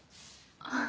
あっ。